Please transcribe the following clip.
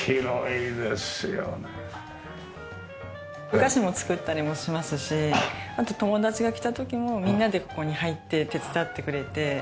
お菓子も作ったりもしますしあと友達が来た時もみんなでここに入って手伝ってくれてはい。